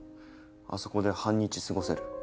あそこで半日過ごせる。